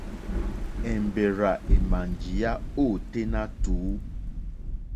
Èmbèrzà èmà njíyá ôténá tùú.